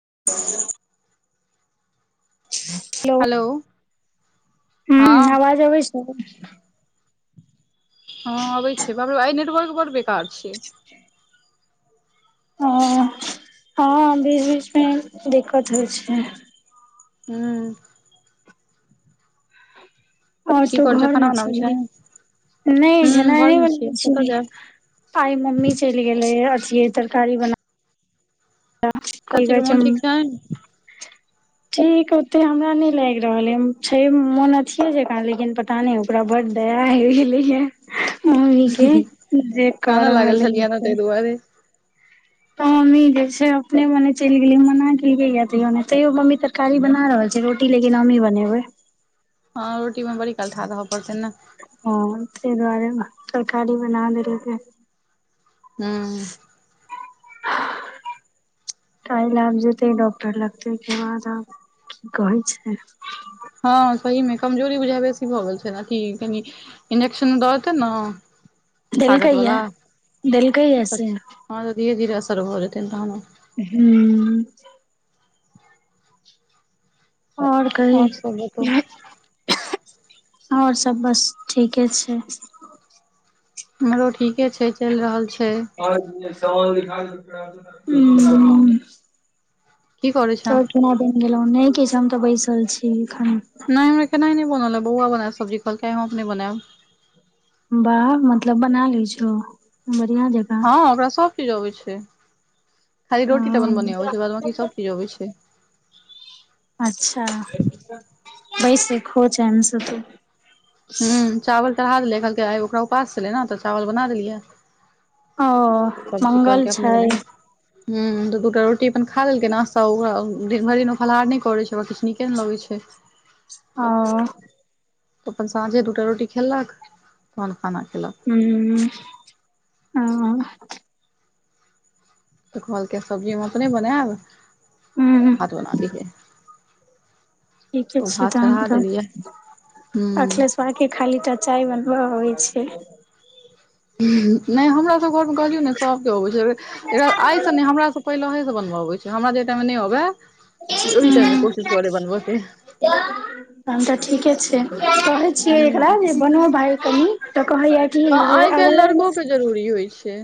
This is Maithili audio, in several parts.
ह [unintelligible] हलो! हम्म अवाज अबै छै। हँ अबै छै, बाप रे बाप, आइ नेटवर्क बड़ बेकार छै। ह हँ बीच- बीचमे दिक्कत होइ छै। ह्म। आओर की सब, करै छै खाना घरमे बनाबै छिहि? छै हूँ नै घेनाइ नै घरमे छियै बनबै कतऽ छि, जायब आइ मम्मी चलि गेलै यै। छियै तरकारी बना क [unintelligible] चाची कहै के छै। मोन ठीक छैन [unintelligible] ठीक ओते हमरा नै लैग रहल आय, छै मोन अथिए जेका, लेकिन पता नै ओकरा बड दया आइव गेलै यै। ओ [unintelligible] के [unintelligible] क कानऽ लागल रहल छलियै ने है। ताहि दुआरे तऽ [unintelligible] मम्मी जे छै, अपने मोने चैल गेलै, हम मना केलिये या, तैयो मम्मी तरकारी बना रहल छै रोटी किन हमही बनेबै। और। ह तै [unintelligible] दुआरे तरकारी बना देलीयै। हू। [unintelligible] काइल आब जेतै डॉक्टर लग तै, के बाद आब की कहै छै? हँ सहीमे, कमजोरी बुझाइ यै बेसी भऽ गेल छै न, अथि कनि इंजेक्शन दऽ देतै न देलकै तागत वला या देलकै या [unintelligible] त से हँ तऽ धीरे -धीरे असर भ जेतै तहन हँ [unintelligible] आओर कही? सब बताउ आओर सब बस ठीके छै। हमरो ठीके छै चलि रहल छै। सम [unintelligible] की करै छें स केना बनि गेलहुं, नहि किछु हम तऽ बैसल छी। एखन नहि हमरा केना नहि बनल है, बौआ बनाय सब्जी कहलकै हम अपने बनायब। बाह! मतलब बना ली छो बढ़आ जगह हँ ओकरा सब चीज अबै छै, खाली रोटी तऽ अपन बने हँ अबै छै, बाद बकी सब चीज अबै छै। अच्छा! बै स खो छै एम सु तू [unintelligible] ह चावल चढ़ा देलियै, कहलकै आइ ओकरा उपास छलै, ने तऽ चावल बना देलियै। ओ सब्जी मंगल कलके अपने छै बनाय। ह तऽ दूटा रोटी अपन खा लेलेलकै ने, ओते ओकरा दिन भरि दिन ओ फलाहार नहि करैत छै, ओकरा किछु नीके ने लगैत छै। ह। अपन साँझे दूटा रोटी खेललक तन खाना खेलक। हु [unintelligible] तऽ कहलके सब्जी व अपने बनाय, ब भात बना दिये। ठीके छै, तहन तऽ हूँ अखलेश्वा के खालीटा चाय बनब यै। छै। नहि हमरा सब घरमे कहलियौ ने सबके अबै छै, आइसँ नहि हमरा सब पहिले बनबऽबै छै, हमरा जे टाइम मे नहि अबय। ह क के त [unintelligible] अच्छा ठीके छै। [unintelligible] कहै छियै एकरा हूँ। जे बनबो भइ कनी। [unintelligible] तऽ कहया कि। हँ आइ काल्हि लड़को के जरूरी होइ छै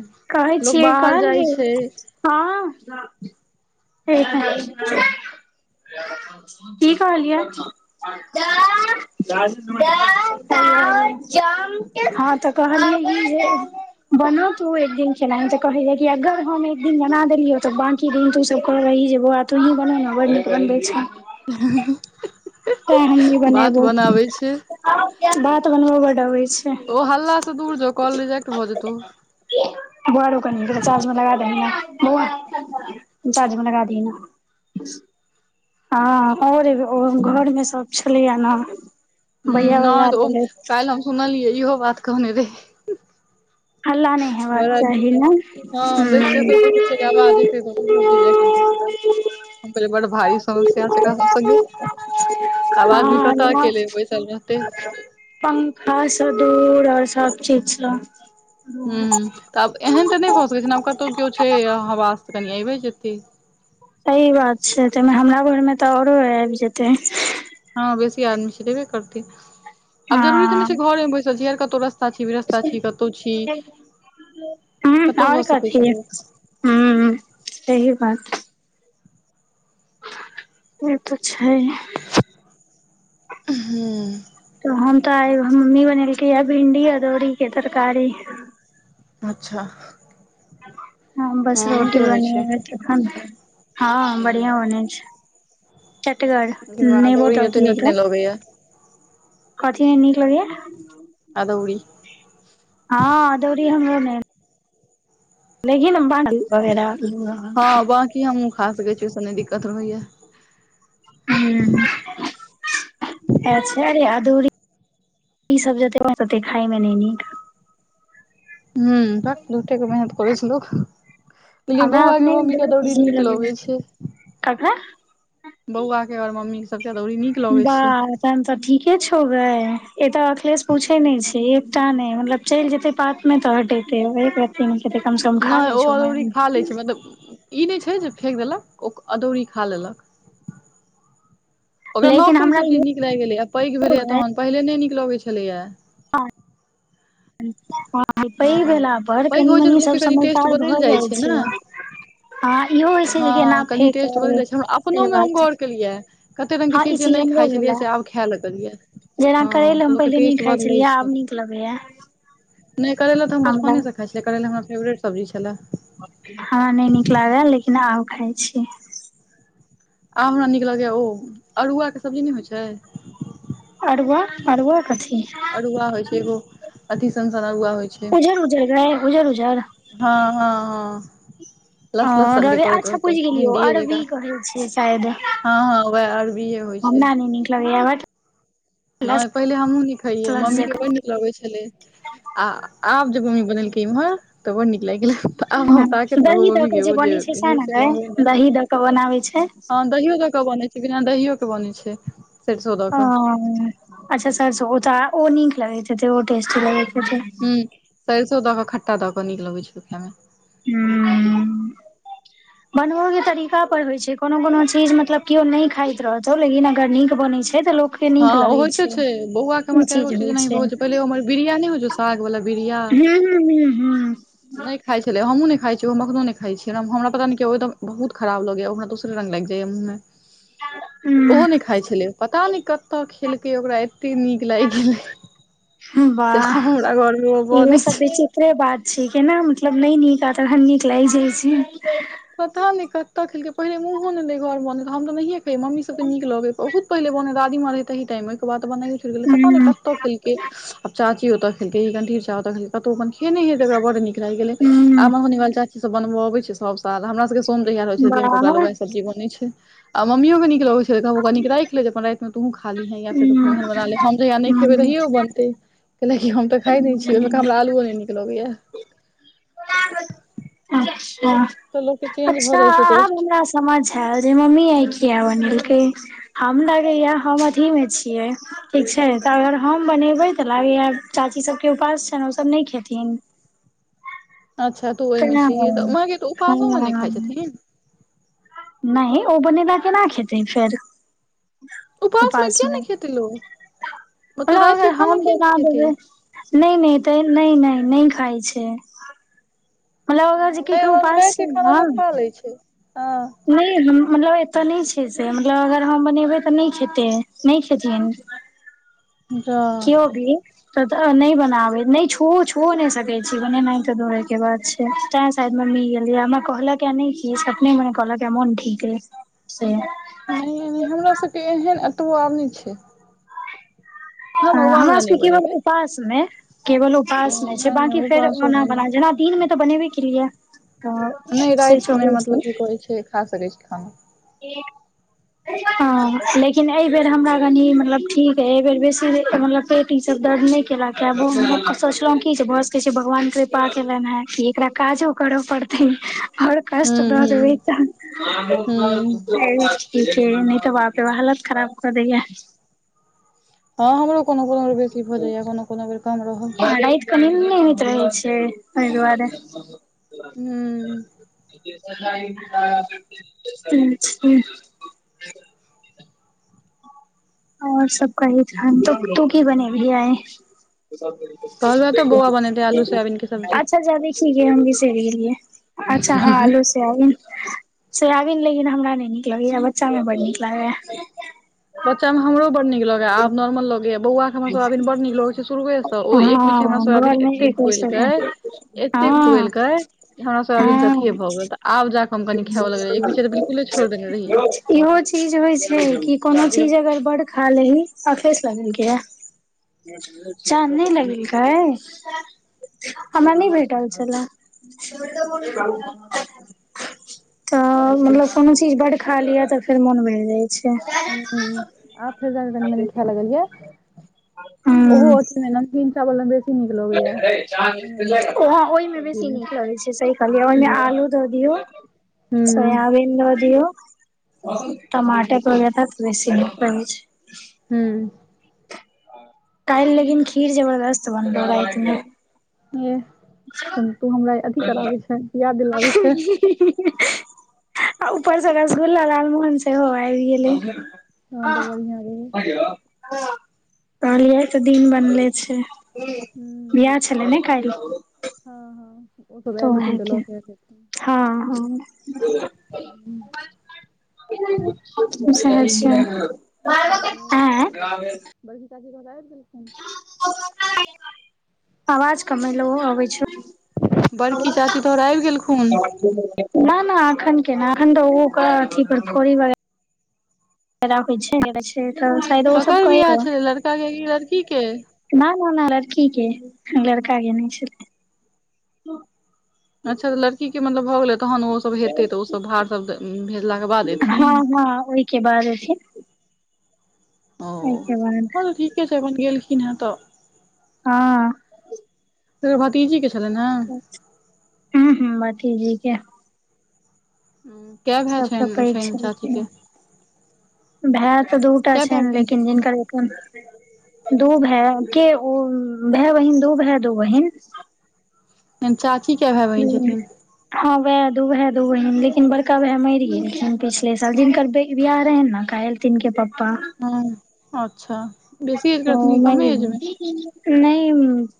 लोक कहै बाहर जाइ छै छियै, कहलियै, हँ हँ [unintelligible] की कहलियै, दालि भात हँ त कहलियै ई जे बनाउ तू एक दिन खेनाई से कहैये कि अगर हम एक दिन बना देलियै त बांकी दिन तू सब कह रही जे बौआ तु अहां बनाउ ने बड़ नीक बनबै छी। हं हं हं त हमनी बनेबौ कि बात बनब बड अबै छै। ओ हल्ला से दूर जो कॉल रिजेक्ट भऽ जेतौ बौआ रौ कनी चार्जमे लगा दही ने बौआ कनी चार्ज मे लगा दही ने। हँ और घरमे सब छलैये ने। हं भैया नहि बाजार त ओ गेलै काल्हि हम सुनलियै इहो बात कहने रहै। हल्ला नहि हेबाक बरद चाही ने हँ बेस देस हूँ प ख जा ब ब जा [unintelligible] छै [unintelligible] हम कहलियै बड़ भारी समस्या छै एकरा सब संगे, आब आदमी कत हँ अकेले बैसल रहतै। पंखा सं दूर और सब चीजसँ हुं हुं, त आब एहन त नहि भ सकै छै ने आब कतहु केओ छै हवा त कनि एबे जेतै। की। सही बात छै त हमरा घरमे त औरो आबि जेतै। हँ बेसी आदमी छै त एबे करतै ह आब जरूरी त नहि छै घरेमे बैसल छी, कतहु रस्ता छी विरस्ता छी, कतहु छी हुं कतहु और भऽ सकै छै कथि, लोक हुं सही बात। से त छै। हुं। त हम त मम्मी बनेलकै है भिंडी अदौरी के तरकारी अच्छा। [unintelligible] हँ बस नीक रोटी रहै बनी छै त हँ हूं बढ़ििया लेकिन बने छै चटगर, हमरा नेबो अदौरी द दि ओते यौ नीक त। नहि लगैया कथिमे मीठ लगै अदौरी। हँ, अदौरी हमरो नै अछि। लिन नरा [unintelligible] हँ बाकी हमहुं खा सकै छी ओहि संगे दिकत नै होइये। अचछा इ अदौरी ईसब जते मे ततेक खायमे नहि नीक। हुं, भट झुठे के मेहनत करै छै लोक। लेकिन हमरा बौआ के अपने मम्मीके अदौरी अजीब नीक लगै लगैये छै। ककरा बौआकेर मम्मी सबके अदौरी नीक लगै छै वाह तखैन त ठीके छौ गै एत अखलेश पूछे नहि छी। तें नहि, मतलब चलि जेतै पात मे त हटेतै एक रति नै। नै ओ अदौरी खा लै छै मतलब ई नहि छै जे फेेक देलक ओ अदौरी खा लेलक ओकरा नव लेकिन पर हमरा ईसब चीज इहो नीक लागि गेलै पैघ भेलैए तखन पहिले नहि नीक लगै छलैएा आ। [unintelligible] पैध हँ भेला पर पैघ होइ छै कनि-मनी तऽ सभ लोकके कनि टेस्ट समाचार बदलि भऽ जाइ ने छै। ह इहो होइ छै जे केना हँ कनि टेस्ट फेकब, बदलि जाइ छै हमरा से अपनो मे हम बात। गौर केलियै कते रंग के हँ ई चीज जे नहि हमरो खाइ छलियै, भेले से आब खाए लगलियै। जेना हँ करैल तऽ हम लोकके पहिले नहि टेस्ट खाइ बदलै छलियै, छै आब नीक लगैए। नहि करैला तऽ हम बचपनेसँ खाइ छलियै करैला हमरा फेवरेट सब्जी छलै। हमरा नहि नीक लागल लेकिन आब खाइ छी। आब हमरा नीक लगैए ओ, अड़हुआके सब्जी नहि होइ छै। अरुआ अरुआ कथी अरुआ होइ छै एगो। अथी सन- सन उरूआ होइ छै, उजर उजर गै उजर उजर हँ हँ हँ। आ लस लस सन के करैत अच्छा रहतौ बुझि गेलियौ, भिंडीए अरबी जकाँ कहै छैय शायद। हँ हँ वएह अरबिये होइ छै हमरा नइ नीक लगैय, भट्ट। नहि पहिले हमहूं निक। खाइये, लस मम्मी के बड्ड नीक लगे छलै आ आब जे मम्मी बनेलकै इम्हर तऽ बड् नीक लाइग। तऽ आब अहाँ जकाँ ताकैत रहूँ, दही मम्मी दऽ कऽ के ओ जे बनै छै रहै सएह ने से गै मंगबै दही दऽ कऽ बनाबै छै नइ। दहियो दऽ कऽ बनै छै, बिना दहियो के बनै छै, सरिसों दऽ कऽ। ओ अच्छा सरसों, ओ तऽ ओ नीक लगे हेेते, ओ टेस्टी लगेे। हूं, सरिसों दऽ क खट्टा दऽ कऽ नीक लगै छै ओ खाय में। हूं। बनबो के तरीका पर होइत छै, कोनो-कोनो चीज मतलब केओ नइ खाइत रहतौ, लेकिन अगर नीक बनै छै। छै तऽ लोकके हँ नीक ओ लगै होइते छै, बौआ के ई हमर कए गो चीज होइ एनाही भऽ छै। गेल हू, पहिले हमर बिरिया नहि होइ छौ साग वाला बिरिया हू, हू, हू। नहि खइ छलै। हमहूं नइ खाइ छी, ओ हम अखनो नहि खाइ छीयै, हमरा पता नइ किया बहुत खराब लगैय, ओ हमरा दोसरे रंग लागि जाइये, मुँह में। हूँ ओहो नहि खाइ छलै, पता नहि कतऽ खेलकै ओकरा। त नीक लागि गेलै। से वाह, हमरा घर मे ओ इहो बनै सब छै विचित्रे बात छी की ने। मतलब नहि नीक, आ तखन नीक लागि जाइ छै। पता नहि कतऽ खेलकै, पहिले मुँहो नहि रहै घर बनै हम तऽ नहिए खेैयै, मम्मी सबके नीक लगै बहुत। पहिेले बने दादीमाँ रहे ताहि टाइम में, ओहिके बाद बनायो छुइट गेलै, पता नहि हूँ कतौ खेलकै आब चाची। ओत खेलकै, गंठीर चचा ओेतऽ खेलकै कतहु अपन खेने हेते ओकरा बड्ड निक लागि गेले, आ हूँ मंगरौनी वाली चाची। सभ बनबय अबै छै सभ साल, हमरा सभके सोम जहियआ रहै छै दिन कऽ वाह ओकरा ले ओहे सब्जी बनैत छै। आ मम्मीओ के नीक लगे छै, त कनीक राइख ले अपन रातिमें तुहू। खा लीहै या फेर कखनो हूँ एहन बना ले, हम जहिया नहि खेबै हूँ तहिये ओ बनतै। कैलकि हम तऽ खाइ नहि छी ओहिमें क हमरा आलुओ नहि नीक लगैय। अच्छ। तऽ लोक के चेंज भऽ अच्छा, जाइ छै आब टेस्ट हमरा समझ आयल, जे मम्मी आय कीया बनेलके। हम लागे या हम अथी मे छीयै, ठीक छै तऽ अगर हम बनेबे तऽ लाग। चाची सबके उपास छनि ओ सब नहि खेथिन। अच्छा तू ओहि में तेना छहीन, तऽ मय गे उपासोमें नहि खाइ हँ छथिन। नहि ओ बनेला केना खेथिन फेर। उपासमे किया उपासमें, नहि खेतै लोक मतलब मतलब अगर रातिके हम खाना किया नहि खेतै देब। नइ-नइ तऽ नइ-नइ, नइ खाइ छै। मलब अगर जे नहि केकरो मम्मी उपास रातिके छै खाना लोक खा न। लै छै हँ हमरा ओतय नै छै से, मतलब अगर हम बनेबै त नहि खेतै नहि खेथिन। जा के अब ये? त नहि बनाबै नहि छुओ छुओ नहि सकै छी बनेनाइ ते दौड़े के बात छै, तैं साइड मे नै गेलियैये हमरा कहल के नहि कि, से अपने मने कहल केमन ठीक अछि। नै नै हमरा सभके एहन एतबो आब नहि छै। हँ अ भगवान हमरा लए नहि सबके केवल बनेबै उपास मे केवल हँ उपास नहि छै बाछंकी फेर ओना उपासोमे बना नहि छै दिन मे त बनेबे केलियैये। नहि त से रातिमे चलै छै। मतलब की कहै छै खा सकै छी खाना [unintelligible] हँ लेकिन एहिबेर हमरा कनि मतलब ठीक अइ एहि बेर बेसी मतलब पेटी दर्द नहि केल के सोचलों कि भ सकै छै भगवान कृपा केलनि हैं एकरा काजो कर कर पड़तैन और कष्ट हुँ बड हुँ होइतैन हुँ ठीक है नहि त वाप रे हालत खराब क दैये। हँ हमरो कोनो कोनो बेर बेसी भ जैये कोनो कोनो बेर कम रहल राति के निन्न नै होइत रहै छै ऐ दुआरे हुं। [unintelligible] और सब कही ध्यान त तू की बनेवही आइ कहलहुँ तऽ बौआ बनेतै आलू सोयाबीन के सब्जी अच्छा जे अबै छी हम बिसरि गेलियै। अच्छा हाल सब। सोयबीन लेकिन हमरा नै नीक लगैये, बच्चामे बड नीक लागैये। बच्चा मे हमरो बड़ नीक लगैये, आब नॉर्मल लगैये। बौआ के हमरा सोयाबीन बड नीक लगै छै शुरुए से ओ एक बीच हमरा हँ सोयाबीन घर मे एते एक बेर खुएलकै सोयाबीन एते हँ खुएलकै जे हमरा सोयाबीन से हँ अथिये भ गेल त आब जाके रहियै इहो चीज होइ छै कि कोनो चीज अगर बड़ खा लेबही अखरे सोयाबीन के। चांद नै लगेलकै हमरा नहि भेटल छले। त मतलब कोनो चीज बड खा लिय त फेर मोन भरि जाइ छै। हुं आब फेर जा के कनी मनी खाय लगलियै ओहो ओतनी मे हिनका भेलैन जे ओ ओहिमे सब्जी बेसी मे नीक लगैत छै से कहलियै ओहिमे हूँ आलू द दियौ हूँ सोयाबीन द दियौ टमाटर काटिके राखि लै छियै आ द दै छियै। हुं। काल्हि लेकिन खीर जबरदस्त बनलै राति मे। यै कनि हमरा अथि कर अबै छै, पिया दिय अबै छै आ ऊपरसँ रसगुल्ला लाल मोहन सेहो आबि गेलै। हं त बढ़िआ रहै हं कहलियै आइ त दिन बनले छै। हूँ बियाह छलै ने काल्हि। हँ हँ ओ सब तऽ आयल हेथिन ओहे त ल के क एतै। हँ हँ [unintelligible] आबि सहरसा गेलखिन काकी तोहर ऐं बड़की [unintelligible] [inaudible] [unintelligible] आवाज कम एलौ आबे छो बड़की चाची तोहर आबि गेलखुन [unintelligible] ना-ना अखन केना अखन त उ ओकर अथी भरफोरी वला [unintelligible] होय छै त शायद ओ सब ककर कैय बियाह के छलै लड़का के कि लड़की के ना-ना-ना लड़की के लड़का के नै छै। [unintelligible] अच्छा त लड़की के मतलब भ गेले तहन ओ सब हैतै त ओ सब भार सब द भेजलाके बाद हँ एथिन। हँ ओहिके बाद एथिन औ ओहिके बाद हां त ठीके छै अपन गेलखिन हेँ त हां। फेर भतीजी के छलनि हेँ छै, हुं-हुं भतीजी के। हुं काय भाय सबसँ छैन पैघ छैन चाची छलखिन के। भाय तऽ दुटा कए भाय छैन बहिन लेकिन जिनकर छथिन एखन दू भाय के उ भाय-बहिन दू भाय दू बहिन। एन चाची काय भाय-बहिन छथिन। उहाए दू भाय, दू बहिन लेकिन बड़का भाय मैर गेल छैन पिछले साल जिनकर [unintelligible] बियाह रहैन नै कायल तिनके पप हां अच्छा। बेसी एज के ओ रहथिन कि कमे एज मे [unintelligible] नै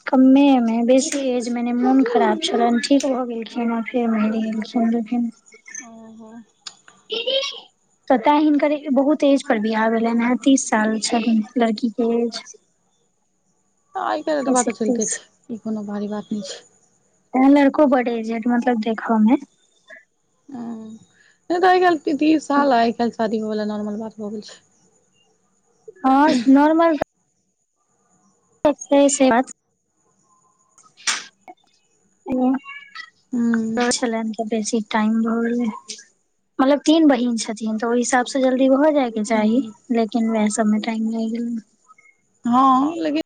कमे मे बेसी एज मे नै मुन खराब छलैन ठीक भऽ गेलखिन आब। ए मैर गेलखिन [unintelligible] ओहो। [unintelligible] तऽ ताएं हिनकर ए बहुत एज पर बियाह भेलैन हे तीस साल छथिन लड़की के एज। [inaudible] आय काएल एतबा तीस तऽ चलते एकतीस छै ई कोनो भारी बात नै छै। को बड एजेट मतलब देखऽ मे। एं नै तऽ आय-काएल तीस साल आय-काएल शादी भऽ गेलै न नॉर्मल बात भऽ गेल छै। हां नॉर्मल ते [unintelligible] से बात ओ। हूँ ओ छलैन ते बेसी टाइम भऽ गेलै‌ मतलब तीन बहिन छथिन तऽ ओय हिसाब से जल्दी भऽ जाय के चाही हूँ लेकिन वाएह सबमे टाइम लाएग गेलै। हां लेकिन